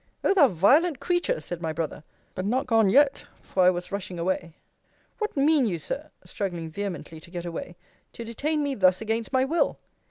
O thou violent creature! said my brother but not gone yet for I was rushing away. What mean you, Sir, [struggling vehemently to get away,] to detain me thus against my will?